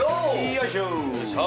よいしょ！